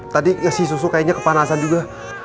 tadi si susu kayaknya kepanasan juga